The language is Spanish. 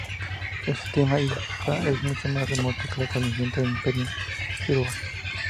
El sistema Ifá es mucho más remoto que el establecimiento del imperio yoruba.